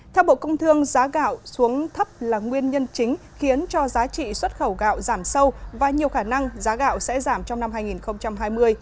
theo bộ công thương giá gạo xuống thấp là nguyên nhân chính khiến cho giá trị xuất khẩu gạo giảm sâu và nhiều khả năng giá gạo sẽ giảm trong năm hai nghìn hai mươi